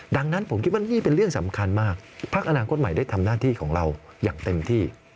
ดังนั้นผมคิดว่านี่เป็นเรื่องสำคัญมากพักอนาคตใหม่ได้ทำหน้าที่ของเราอย่างเต็มที่